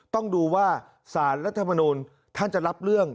ต้องดูว่าสารรัฐมนูลท่านจะรับเรื่อง